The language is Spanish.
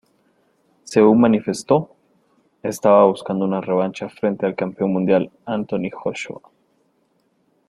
Según manifestó, estaba buscando una revancha frente al campeón mundial Anthony Joshua.